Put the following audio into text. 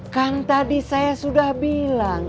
kan tadi saya sudah bilang